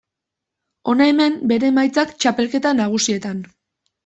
Hona hemen bere emaitzak txapelketa nagusietan.